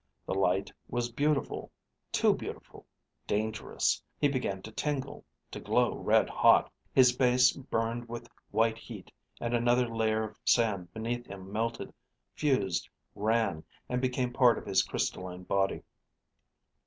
The light was beautiful, too beautiful dangerous! He began to tingle, to glow red hot. His base burned with white heat and another layer of sand beneath him melted, fused, ran, and became part of his crystalline body.